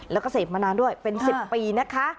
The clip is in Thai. แล้วก็เสพมานานด้วยเป็น๑๐ปีนะคะ